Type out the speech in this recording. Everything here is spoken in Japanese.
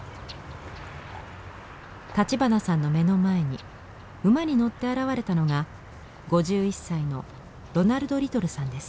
立花さんの目の前に馬に乗って現れたのが５１歳のロナルド・リトルさんです。